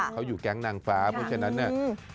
เขาอยู่แก๊งนางฟ้าเพราะฉะนั้นเนี่ย